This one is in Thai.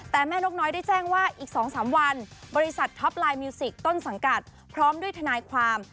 แต่แม่นกน้อยได้แจ้งว่าอีก๒๓วันบริษัทท็อปไลน์มิวสิกต้นสังกัดพร้อมด้วยทนายความ